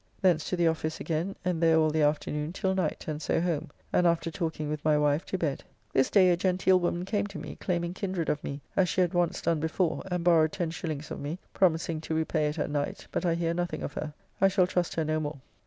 Thence to the office again, and there all the afternoon till night, and so home, and after talking with my wife to bed. This day a genteel woman came to me, claiming kindred of me, as she had once done before, and borrowed 10s. of me, promising to repay it at night, but I hear nothing of her. I shall trust her no more.